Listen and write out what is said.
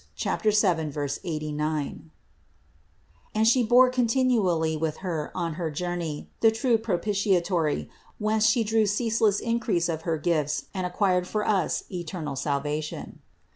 7, 89) ; and She bore continually with Her on her journey the true propitiatory, whence She drew ceaseless increase of her gifts and acquired for us eternal salvation.